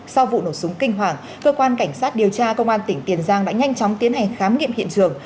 sau vụ nổ súng kinh hoàng cơ quan cảnh sát điều tra công an tỉnh tiền giang đã nhanh chóng tiến hành khám nghiệm hiện trường